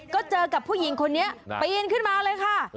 ก็เจอกับผู้หญิงคนนี้ปีนขึ้นมาเลยค่ะ